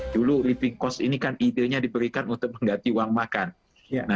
dulu living cost ini kan idenya diberikan untuk mengganti uang makan